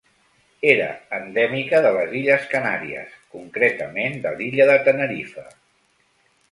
Era endèmica de les illes Canàries, concretament de l'illa de Tenerife.